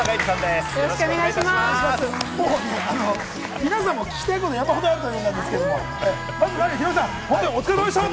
皆さんも、聞きたいこと山ほどあると思うんですけれども、まずヒロミさん、お疲れ様でした！